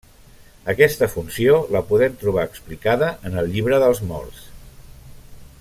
Aquesta funció la podem trobar explicada en el llibre dels morts.